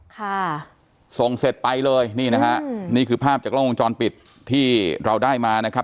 ค่ะส่งเสร็จไปเลยนี่นะฮะอืมนี่คือภาพจากกล้องวงจรปิดที่เราได้มานะครับ